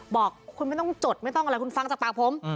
บอกคุณไม่ต้องจดไม่ต้องอะไรคุณฟังจากปากผม